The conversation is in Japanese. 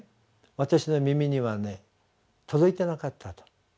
私の耳にはね届いてなかったと。